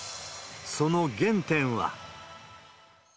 その原点は。